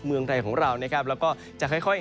เมืองไทยของเรานะครับแล้วก็จะค่อย